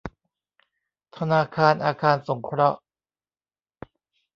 ธนาคารอาคารสงเคราะห์